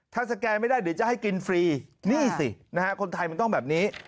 ถ้าสแกนไม่ได้เดี๋ยวจะให้กินฟรีนี่สินะฮะคนไทยมันต้องแบบนี้